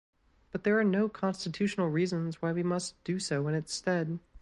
But there are no constitutional reasons why we must do so in its stead.